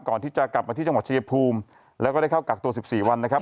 ก่อนที่จะกลับมาที่จังหวัดชายภูมิแล้วก็ได้เข้ากักตัว๑๔วันนะครับ